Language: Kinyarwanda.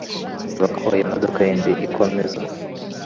nkareba niba iyo modoka yindi ikomeza